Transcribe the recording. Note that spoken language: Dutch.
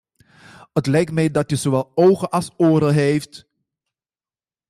Het lijkt mij dat u zowel ogen als oren heeft.